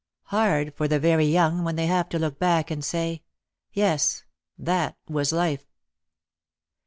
Hard for the very young when they have to look back and say, "Yes; that was life."